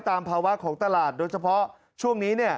ตามภาวะของตลาดโดยเฉพาะช่วงนี้